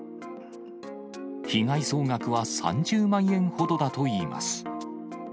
被害総額は３０万円ほどだといいます。